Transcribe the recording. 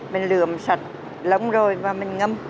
mình lượm sạch lắm rồi